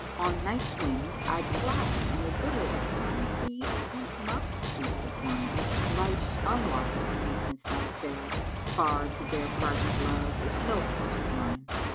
On Night's wings I'd fly an a bird * And sans thee I weet not the sweets of wine: Life's unlawful to me since thou faredst far * To bear parting lowe is no force of mine."